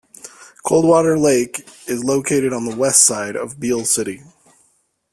Coldwater Lake is located on the west side of Beal City.